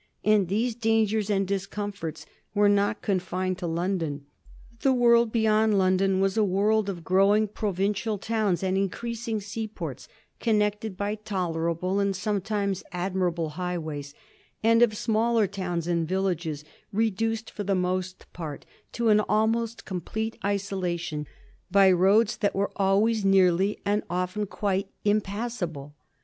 And these dangers and discomforts were not confined to London. The world beyond London was a world of growing provincial towns and increasing seaports connected by tolerable and sometimes admirable highways, and of smaller towns and villages reduced for the most part to an almost complete isolation by roads that were always nearly and often quite impassable.